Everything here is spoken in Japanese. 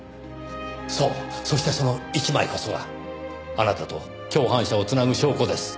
そうそしてその１枚こそがあなたと共犯者を繋ぐ証拠です。